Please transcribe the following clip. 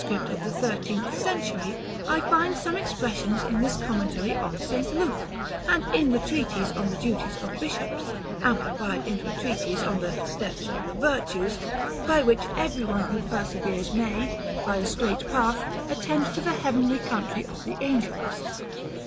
of the thirteenth century I find some expressions in this commentary on St. Luke, and in the treatise on the duties of bishops, amplified into a treatise on the "Steps of the Virtues: by which every one who perseveres may, by a straight path, attain to the heavenly country of the Angels."